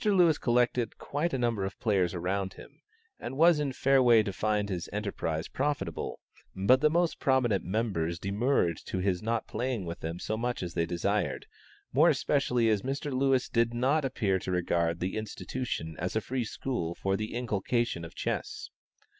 Lewis collected quite a number of players around him, and was in fair way to find his enterprise profitable; but the most prominent members demurred to his not playing with them so much as they desired, more especially as Mr. Lewis did not appear to regard the institution as a Free School for the inculcation of Chess.